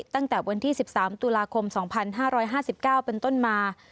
ตั้งแต่วันที่๑๓ตุลาคม๒๕๕๙เป็นต้นมา